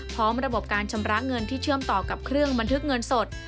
พร้อมระบบการชำระเงินที่เชื่อมต่อกับเครื่องบันทึกเงินสด